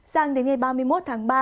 sáng đến ngày ba mươi một tháng ba